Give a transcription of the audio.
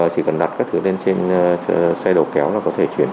chỉ cần đặt các thứ lên trên xe đầu kéo là có thể